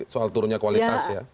soal turunnya kualitas ya